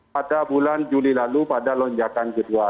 pada bulan juli lalu pada lonjakan jawa timur